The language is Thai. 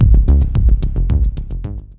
ขอบคุณครับ